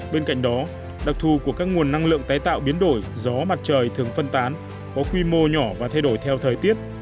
bên cạnh đó đặc thù của các nguồn năng lượng tái tạo biến đổi gió mặt trời thường phân tán có quy mô nhỏ và thay đổi theo thời tiết